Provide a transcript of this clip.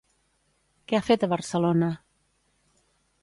Què ha fet a Barcelona?